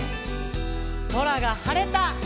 「そらがはれた」